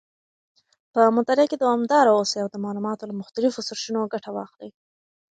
په مطالعه کې دوامداره اوسئ او د معلوماتو له مختلفو سرچینو ګټه واخلئ.